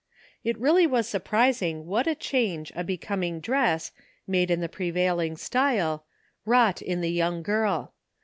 It really was surprising what a change a becoming dress, made in the pre vailing style, wrought in the young girl.